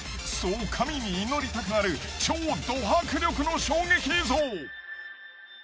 そう神に祈りたくなる超ド迫力の衝撃映像。